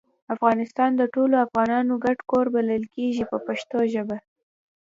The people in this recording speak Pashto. افغانستان د ټولو افغانانو ګډ کور بلل کیږي په پښتو ژبه.